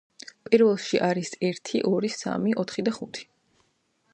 პირველში არის ერთი, ორი, სამი, ოთხი და ხუთი.